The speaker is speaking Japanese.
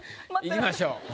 いきましょう。